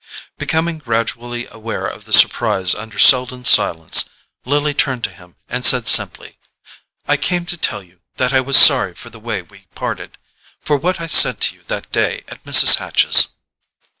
Becoming gradually aware of the surprise under Selden's silence, Lily turned to him and said simply: "I came to tell you that I was sorry for the way we parted—for what I said to you that day at Mrs. Hatch's."